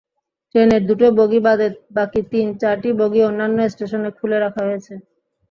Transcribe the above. ট্রেনের দুটো বগি বাদে বাকি তিন–চারটি বগি অন্যান্য স্টেশনে খুলে রাখা হয়েছে।